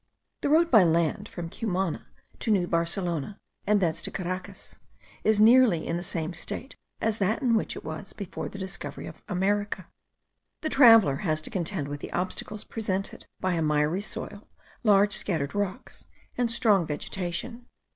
The road by land from Cumana to New Barcelona, and thence to Caracas, is nearly in the same state as that in which it was before the discovery of America. The traveller has to contend with the obstacles presented by a miry soil, large scattered rocks, and strong vegetation.